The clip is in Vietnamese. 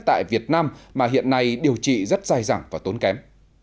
tại việt nam mà hiện nay điều trị rất dài dẳng và tốn kém